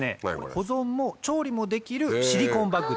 保存も調理もできるシリコーンバッグです。